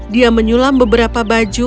dia menyulam beberapa baju